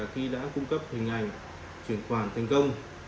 hình ảnh chuyển khoản thành công